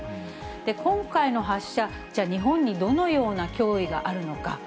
今回の発射、じゃあ、日本にどのような脅威があるのか。